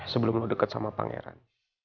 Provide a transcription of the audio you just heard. sebelum lo dekat sama pangeran